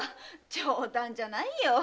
冗談じゃないよ！